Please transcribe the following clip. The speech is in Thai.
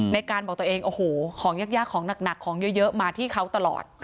ในการบอกตัวเองโอ้โหของยากของหนักของเยอะมาที่เขาตลอด